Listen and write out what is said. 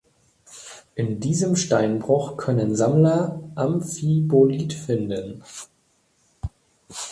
In diesem Steinbruch können Sammler Amphibolit finden.